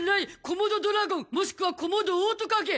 コモドドラゴンもしくはコモドオオトカゲ。